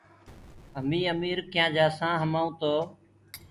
همينٚ اميٚر ڪِيآنٚ جآسآنٚ همآئونٚ تو